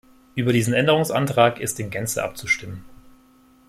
Über diesen Änderungsantrag ist in Gänze abzustimmen.